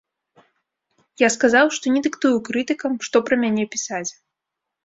Я сказаў, што не дыктую крытыкам, што пра мяне пісаць.